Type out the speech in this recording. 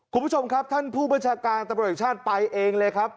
คุณผู้ชมครับท่านผู้บริเศษฐางณ์ตำรวจิตชาติไปเองเลยครับ